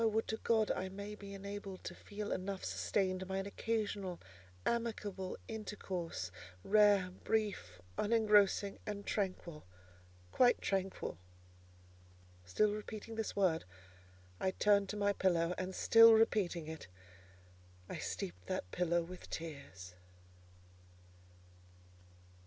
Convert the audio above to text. would to God I may be enabled to feel enough sustained by an occasional, amicable intercourse, rare, brief, unengrossing and tranquil: quite tranquil!" Still repeating this word, I turned to my pillow; and still repeating it, I steeped that pillow with tears.